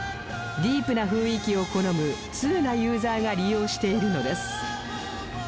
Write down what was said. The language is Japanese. ディープな雰囲気を好む通なユーザーが利用しているのです